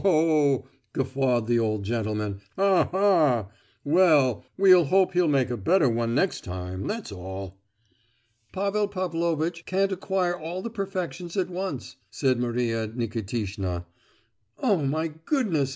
guffawed the old gentleman, "Ha ha! Well, we'll hope he'll make a better one next time, that's all." "Pavel Pavlovitch can't acquire all the perfections at once," said Maria Nikitishna. "Oh, my goodness!